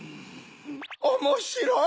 おもしろい！